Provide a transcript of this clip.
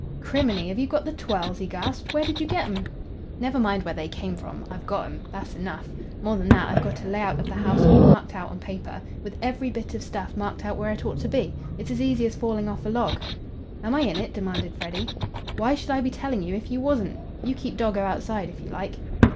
"Criminy! Have you got the twirls?" he gasped. "Where did you get 'em?" "Never mind where they came from. I've got 'em. That's enough. More than that, I've got a lay out of the house all marked out on paper, with every bit of stuff marked out where it ought to be. It's as easy as falling off a log." "Am I in it?" demanded Freddy. "Why should I be telling you if you wasn't? You keep doggo outside if you like."